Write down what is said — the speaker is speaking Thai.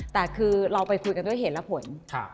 แต่คือเราไปคุยกันด้วยเหตุและผล